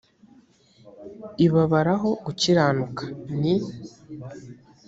ibabaraho gukiranuka ni